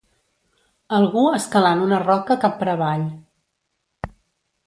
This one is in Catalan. Algú escalant una roca cap per avall.